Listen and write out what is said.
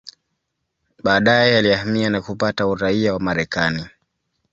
Baadaye alihamia na kupata uraia wa Marekani.